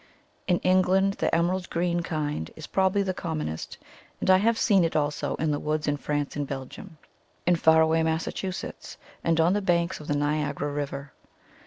'*In England the emerald green kind is probably the commonest, and I have seen it also in the woods in France and Belgium, in 189 THE COMING OF THE FAIRIES far away Massachusetts, and on the banks of the Niagara River.